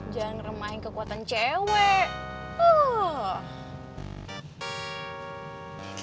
jangan remahin kekuatan cewek